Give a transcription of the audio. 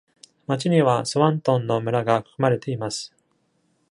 町にはスワントンの村が含まれています。